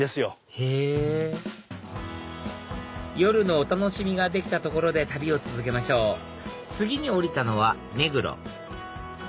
へぇ夜のお楽しみができたところで旅を続けましょう次に降りたのは目黒